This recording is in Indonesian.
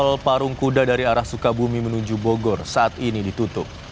gerbang tol parungkuda dari arah sukabumi menuju bogor saat ini ditutup